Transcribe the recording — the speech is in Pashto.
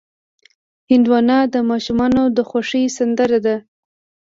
هندوانه د ماشومانو د خوښې سندره ده.